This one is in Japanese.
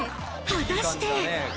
果たして。